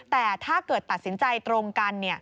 แต่ถ้าเกิดตัดสินใจตรงกัน